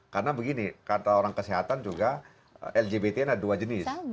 karena begini kata orang kesehatan juga lgbt ada dua jenis